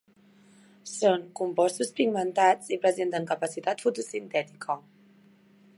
Són compostos pigmentats i presenten capacitat fotosintètica.